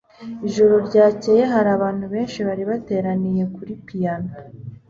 Ijoro ryakeye hari abantu benshi bari bateraniye kuri piyano.